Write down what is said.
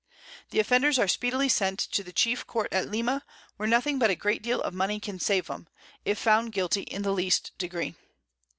The Offenders are speedily sent to the chief Court at Lima, where nothing but a great deal of Money can save 'em, if found guilty in the least degree.